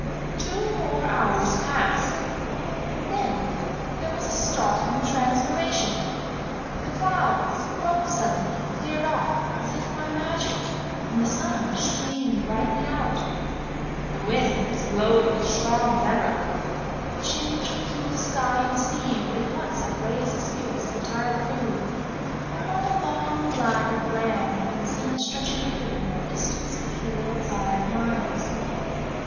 Two more hours passed, and then there was a startling transformation. The clouds broke suddenly and cleared off, as if by magic, and the sun streamed brightly out. The wind was blowing as strong as ever, but the change in the hue of sky and sea would at once have raised the spirits of the tired crew, had not a long line of land been seen stretching ahead of them at a distance of four or five miles.